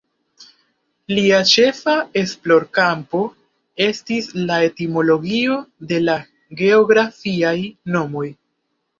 Lia ĉefa esplorkampo estis la etimologio de la geografiaj nomoj.